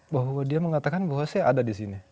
bahwa dia mengatakan bahwa saya ada di sini